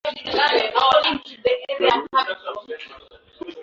laki moja elfu hamsini na moja